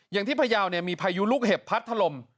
อย่างที่พายาวเนี่ยมีภายดูลุกเหบพัดกำลังถล่ม